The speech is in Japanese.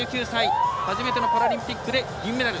初めてのパラリンピックで銀メダル。